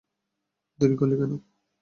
দেরি করলি কেন?